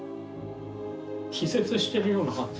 気絶してるような感じ。